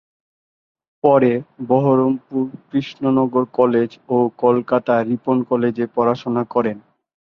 পরে বহরমপুর কৃষ্ণনগর কলেজ ও Kolkata Ripon college পড়াশোনা করেন।